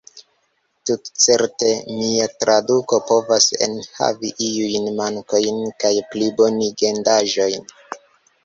Tutcerte, mia traduko povas enhavi iujn mankojn kaj plibonigendaĵojn.